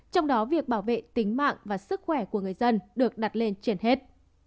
trong đó việc bảo vệ tính mạng và sức khỏe của người dân được đặt lên trên hết